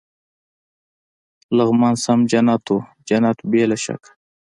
لغمان سم جنت و، جنت بې له شکه.